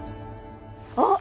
あっ！